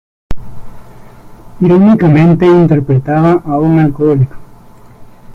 Irónicamente, interpretaba a un alcohólico.